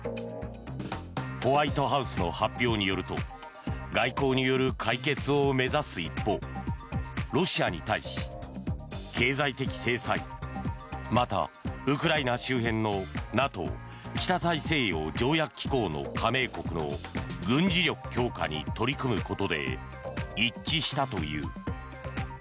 ホワイトハウスの発表によると外交による解決を目指す一方ロシアに対し、経済的制裁また、ウクライナ周辺のＮＡＴＯ・北大西洋条約機構の加盟国の軍事力強化に取り組むことで一致したという。